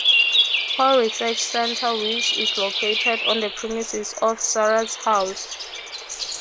Hall Research Center which is located on the premises of the Surratts House.